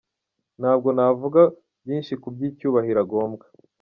Nta bwo navuga byinshi ku bw’icyubahiro agombwa.